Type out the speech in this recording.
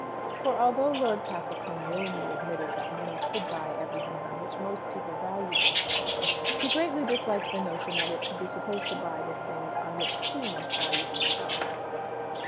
For, although Lord Castlecombe willingly admitted that money could buy everything on which most people valued themselves, he greatly disliked the notion that it could be supposed to buy the things on which he most valued himself.